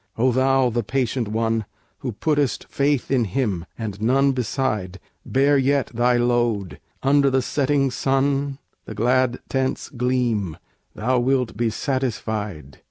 O thou, the patient one, Who puttest faith in Him, and none beside, Bear yet thy load; under the setting sun The glad tents gleam: thou wilt be satisfied.